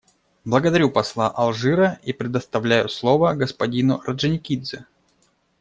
Благодарю посла Алжира и предоставляю слово господину Орджоникидзе.